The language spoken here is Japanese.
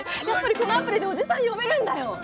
やっぱりこのアプリでおじさん呼べるんだよ。